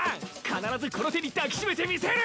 必ずこの手に抱き締めてみせる！